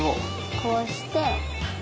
こうして。